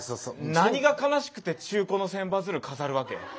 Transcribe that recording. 何が悲しくて中古の千羽鶴飾るわけ。